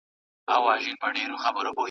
رښتیا ذهن روښانه کوي.